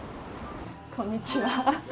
こんにちは。